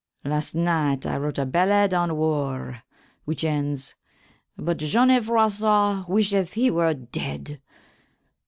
Last nyghte I wrote a ballade on Warre, which ends, "But Johnnie Froissart wisheth he were dead."